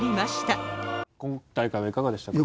今大会はいかがでしたか？